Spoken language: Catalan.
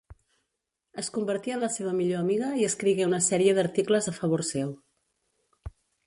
Es convertí en la seva millor amiga i escrigué una sèrie d'articles a favor seu.